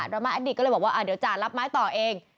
รามาแอดดิกก็เลยบอกว่าเดี๋ยวจ่ารับไม้ต่อเอง